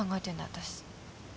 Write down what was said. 私